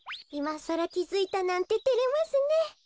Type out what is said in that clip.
いまさらきづいたなんててれますね。